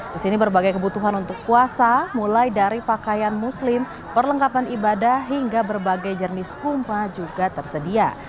di sini berbagai kebutuhan untuk puasa mulai dari pakaian muslim perlengkapan ibadah hingga berbagai jenis kurma juga tersedia